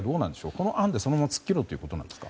この案でそのまま突っ切ろうということですか。